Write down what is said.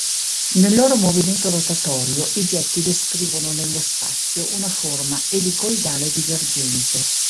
Nel loro movimento rotatorio i getti descrivono nello spazio una forma elicoidale divergente.